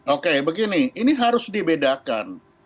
oke begini ini harus dibedakan